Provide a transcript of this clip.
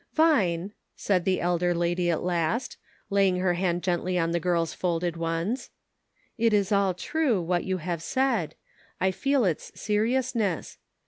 " IN HIS NAME." 265 "Vine," said the elder lady at last, laying her hand gently on the girl's folded ones, " it is all true, what you have said. I feel its seriousness.